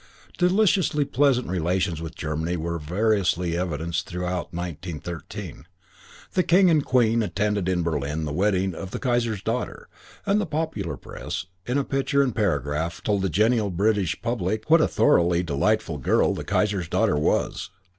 Deliciously pleasant relations with Germany were variously evidenced throughout 1913. The King and Queen attended in Berlin the wedding of the Kaiser's daughter, and the popular Press, in picture and paragraph, told the genial British public what a thoroughly delightful girl the Kaiser's daughter was.